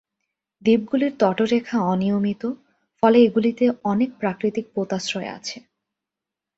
দ্বীপগুলির তটরেখা অনিয়মিত, ফলে এগুলিতে অনেক প্রাকৃতিক পোতাশ্রয় আছে।